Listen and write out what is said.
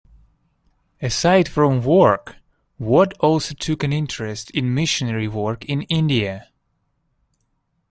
Aside from work, Watt also took an interest in missionary work in India.